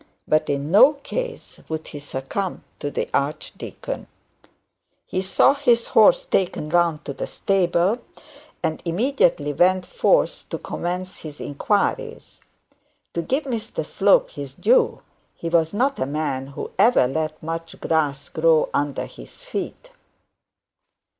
But in no case would he succumb to the archdeacon. He saw his horse taken round to the stable, and immediately went forth to commence his inquiries. To give Mr Slope his due, he was not a man who ever let much grass grow under his feet.